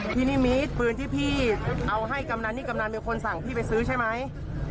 พี่นิมิตรปืนที่พี่เอาให้กำหนังนี่กำหนังมีคนสั่งพี่ไปซื้อใช่ไหม